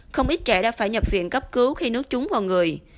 không ít trẻ đã phải nhập viện cấp cứu khi nước trúng vào người